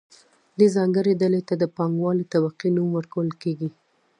دې ځانګړې ډلې ته د پانګوالې طبقې نوم ورکول کیږي.